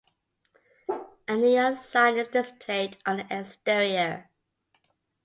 A neon sign is displayed on the exterior.